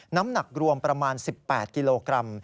น้ำหนักรวมประมาณ๑๘กิโลกรัม